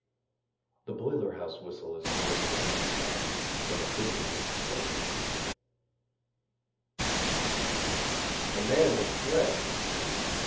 (The boiler house whistle is blown "wildcat" when a prisoner makes a "getaway") A man has fled.